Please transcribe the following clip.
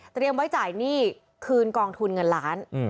ไว้จ่ายหนี้คืนกองทุนเงินล้าน